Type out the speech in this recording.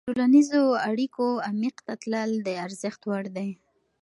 د ټولنیزو اړیکو عمیق ته تلل د ارزښت وړ دي.